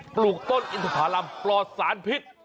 ปลูกต้นอินทภารำปลอดสารพิษ